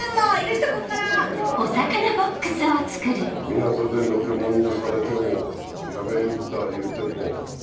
港でのけ者にされてもやめるたぁ言うて来ん。